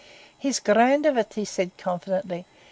'He's grand of it,' he said confidentially.